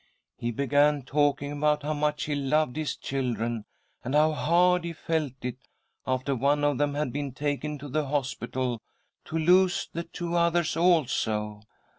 He began talking about how much he loved his children, .and how hard he felt it, after one of them had been taken [to the hospital, to lose the two others also.